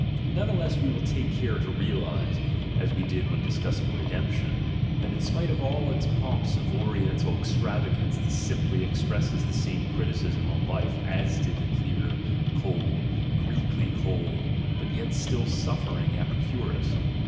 None the less we will take care to realise (as we did when discussing "redemption") that in spite of all its pomps of Oriental extravagance this simply ex presses the same criticism on life as did the clear, cold, Greekly cold, but yet suffering Epicurus.